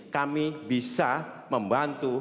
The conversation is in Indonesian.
kami bisa membantu